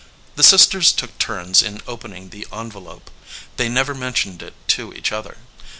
The sisters took turns in opening the envelope. They never mentioned it to each other.